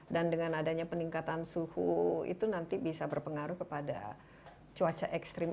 dan dengan adanya peningkatan suhu itu nanti bisa berpengaruh kepada cuaca ekstrim